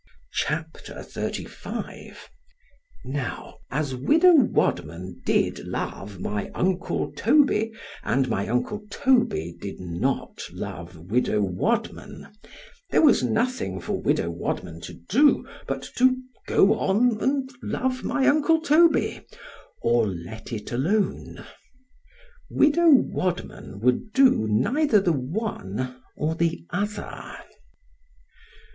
C H A P. XXXV NOW as widow Wadman did love my uncle Toby——and my uncle Toby did not love widow Wadman, there was nothing for widow Wadman to do, but to go on and love my uncle Toby——or let it alone. Widow Wadman would do neither the one or the other.